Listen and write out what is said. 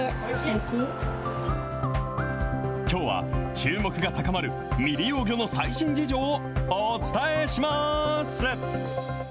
きょうは注目が高まる未利用魚の最新事情をお伝えします。